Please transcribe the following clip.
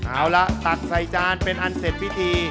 อาระตัดใส่จานเป็นอันเสร็จพฤทิ